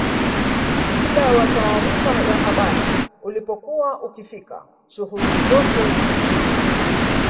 muda wa taarifa ya habari ulipokuwa ukifika shughuli zote zinasimama